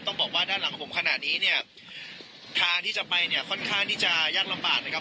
ต้องบอกว่าด้านหลังของผมขนาดนี้เนี่ยทางที่จะไปเนี่ยค่อนข้างที่จะยากลำบากนะครับ